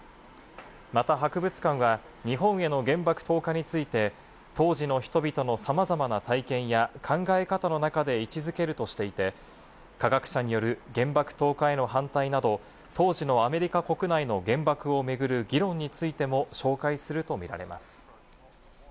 また博物館は、日本への原爆投下について、当時の人々のさまざまな体験や考え方の中で位置づけるとしていて、科学者による原爆投下への反対など当時のアメリカ国内の原爆を巡る議論についても紹介するとみられます。